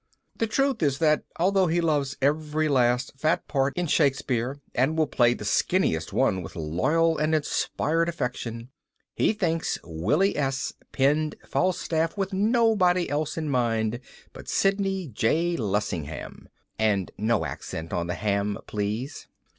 The truth is that although he loves every last fat part in Shakespeare and will play the skinniest one with loyal and inspired affection, he thinks Willy S. penned Falstaff with nobody else in mind but Sidney J. Lessingham. (And no accent on the ham, please.)